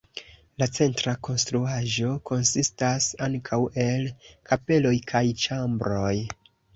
La centra konstruaĵo konsistas ankaŭ el kapeloj kaj ĉambroj.